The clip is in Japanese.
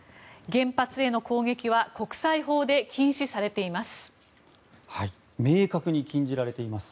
原発への攻撃は国際法で禁止されています。